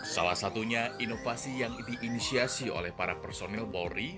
salah satunya inovasi yang diinisiasi oleh para personil polri